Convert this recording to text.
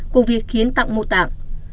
của việc hiến tặng mô tạng